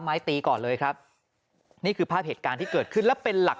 ไม้ตีก่อนเลยครับนี่คือภาพเหตุการณ์ที่เกิดขึ้นแล้วเป็นหลัก